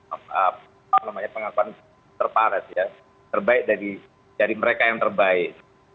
apa namanya pengakuan terpares ya terbaik dari mereka yang terbaik